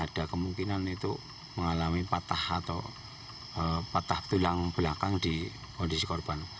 ada kemungkinan itu mengalami patah atau patah tulang belakang di kondisi korban